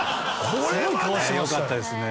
あれよかったですね。